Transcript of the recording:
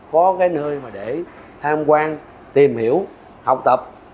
có cái nơi mà để tham quan tìm hiểu học tập